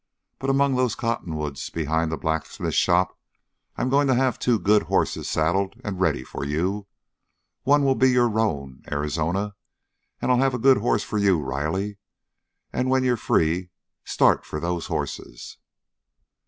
But, among those cottonwoods behind the blacksmith shop, I'm going to have two good horses saddled and ready for you. One will be your roan, Arizona. And I'll have a good horse for you, Riley. And when you're free start for those horses."